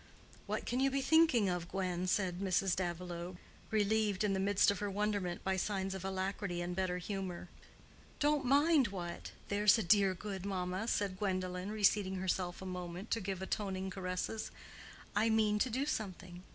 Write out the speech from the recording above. "What can you be thinking of, Gwen?" said Mrs. Davilow, relieved in the midst of her wonderment by signs of alacrity and better humor. "Don't mind what, there's a dear, good mamma," said Gwendolen, reseating herself a moment to give atoning caresses. "I mean to do something.